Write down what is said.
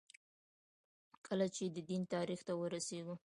کله چې د دین تاریخ ته وررسېږو.